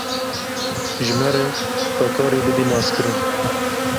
ji me re xwe karî bidî naskirin